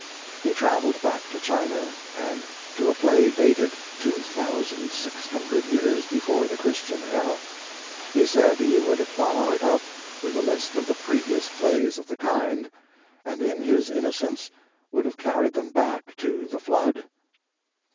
He travelled back to China and to a play dated two thousand six hundred years before the Christian era. He said he would follow it up with a list of the previous plays of the kind, and in his innocence would have carried them back to the Flood.